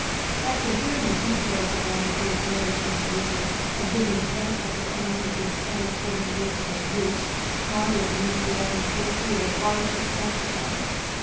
After hearing the details of Anatole's marriage from Pierre, and giving vent to her anger against Anatole in words of abuse, Márya Dmítrievna told Pierre why she had sent for him.